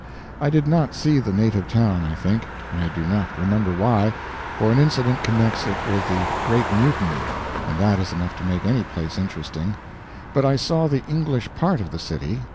I did not see the native town, I think. I do not remember why; for an incident connects it with the Great Mutiny, and that is enough to make any place interesting. But I saw the English part of the city.